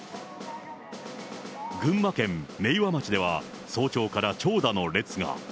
群馬県明和町では、早朝から長蛇の列が。